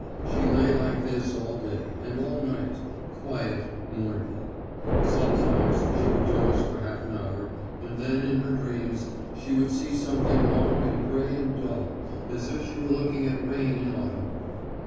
She lay like this all day and all night, quiet, mournful. Sometimes she would doze for half an hour, and then in her dreams she would see something long and grey and dull, as if she were looking at rain in autumn.